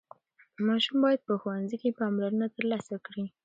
ماشوم باید په ښوونځي کې پاملرنه ترلاسه کړي.